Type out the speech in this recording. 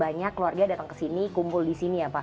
biasanya keluarga datang kesini kumpul disini ya pak